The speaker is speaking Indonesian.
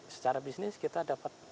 secara bisnis kita dapat